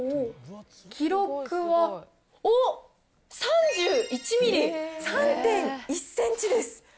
記録は、おっ、３１ミリ、３．１センチです。